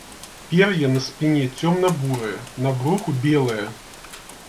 Пер'е на спіне цёмна-бурае, на бруху белае.